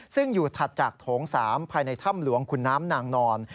ซึ่งอยู่ถัดจากโถง๓ภายในถ้ำหลวงขุนน้ำนางนอน